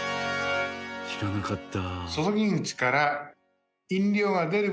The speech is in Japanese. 知らなかった。